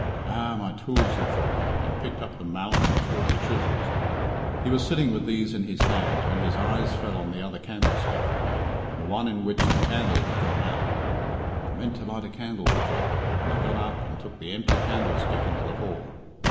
"Ah! my tools," he thought, and picked up the mallet and two of the chisels. He was sitting with these in his hands when his eyes fell on the other candlestick, the one in which the candle had gone out "I meant to light a candle," he thought, and he got up and took the empty candlestick into the hall.